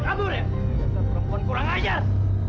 seorang perempuan kurang ajar